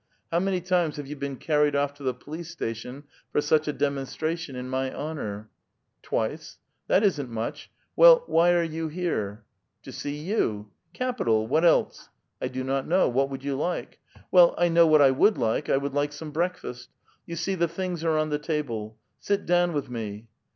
How many times have you been carried off to the police station for such a demonstration in my honor ?" ''Twice." " That isn't much. Well, why are you here? "" To see you !" "Capital! What else?" *' I do not know. What would you like ?"" Well I know what I would like. I would like some breakfast. You see the things are on the table. Sit down with me."